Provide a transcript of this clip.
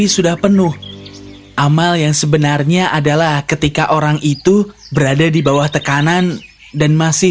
sudah penuh amal yang sebenarnya adalah ketika orang itu berada di bawah tekanan dan masih